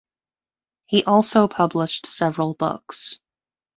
He also published several books.